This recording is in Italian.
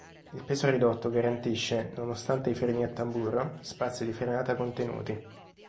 Il peso ridotto garantisce, nonostante i freni a tamburo, spazi di frenata contenuti.